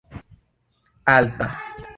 alta